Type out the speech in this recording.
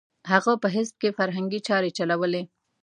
هغه په حزب کې فرهنګي چارې چلولې.